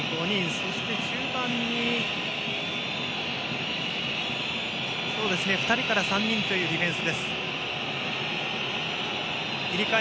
そして中盤に２人から３人というディフェンス。